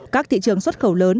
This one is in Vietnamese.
các thị trường xuất khẩu lớn